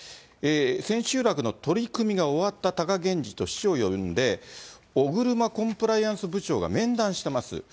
千秋楽の取組が終わった貴源治と師匠を呼んで、尾車コンプライアンス部長が面談してます。